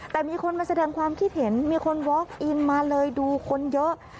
แต่มีคนมาแสดงความคิดเห็นมีคนวอคอินมาเลยดูคนเยอะ